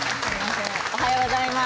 おはようございます。